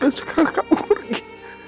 dan sekarang kamu pergi